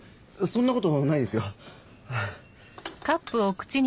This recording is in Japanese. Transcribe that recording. そんなことないですよ。